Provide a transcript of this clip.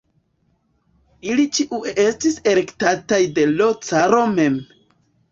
Ili ĉiuj estis elektataj de l' caro mem.